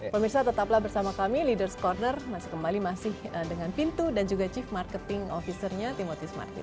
pemirsa tetaplah bersama kami leaders' corner masih kembali masih dengan pintu dan juga chief marketing officernya timotius martin